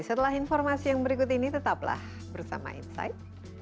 setelah informasi yang berikut ini tetaplah bersama insight